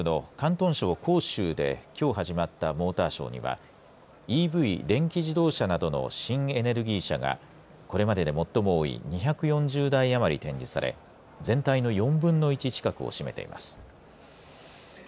中国南部の広東省広州で今日始まったモーターショーにはＥＶ電気自動車などの新エネルギー車がこれまでで最も多い２４０台余り展示され全体に４分の１近くの占めています。